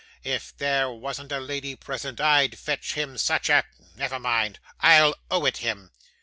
'If there wasn't a lady present, I'd fetch him such a : never mind, I'll owe it him.